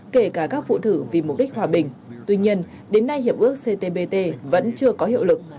kể cả các phụ thử vì mục đích hòa bình tuy nhiên đến nay hiệp ước ctbt vẫn chưa có hiệu lực